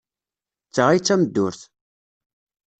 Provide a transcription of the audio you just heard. D ta ay d tameddurt!